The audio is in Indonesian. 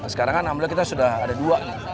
sekarang kan alhamdulillah kita sudah ada dua